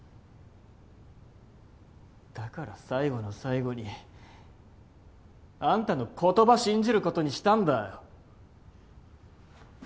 だから最後の最後にあんたの言葉信じることにしたんだよ。